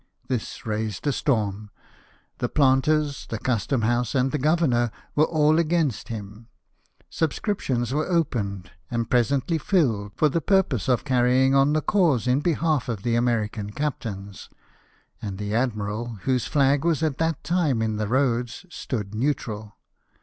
This raised a storm : the planters, the Custom house, and the governor, were all against him. Subscriptions were opened, and presently filled, for the purpose of carry ing on the cause in behalf of the American captains : and the admiral, whose flag was at that time in the roads, stood neutral.